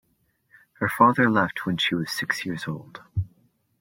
Her father left when she was six years old.